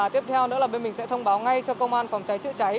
tiếp theo bên mình sẽ thông báo ngay cho công an phòng cháy chữa cháy